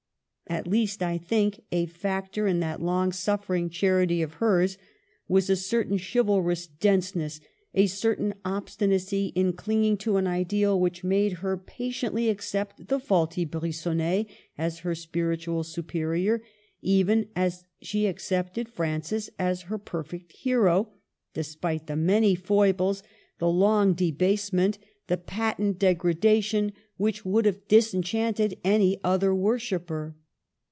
At least, I think a factor in that long suff"ering charity of hers was a cer tain chivalrous denseness, a certain obstinacy in clinging to an ideal, which made her pa tiently accept the faulty Brigonnet as her spir itual superior, even as she accepted Francis as her perfect hero, despite the many foibles, the long debasement, the patent degradation. THE AFFAIR OF MEAUX. 63 which would have disenchanted any other wor shipper.